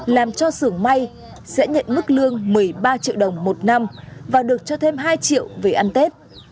làm cho sưởng may sẽ nhận mức lương một mươi ba triệu đồng một năm và được cho thêm hai triệu về ăn tết